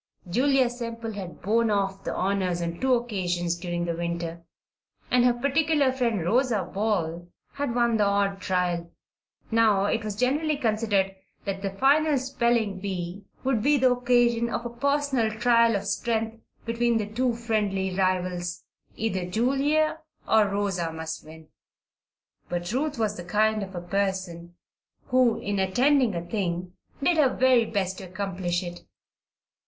Julia Semple had borne off the honors on two occasions during the winter, and her particular friend Rosa Ball, had won the odd trial. Now it was generally considered that the final spelling bee would be the occasion of a personal trial of strength between the two friendly rivals. Either Julia or Rosa must win. But Ruth was the kind of a person who, in attempting a thing, did her very best to accomplish it.